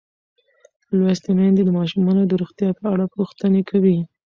لوستې میندې د ماشومانو د روغتیا په اړه پوښتنې کوي.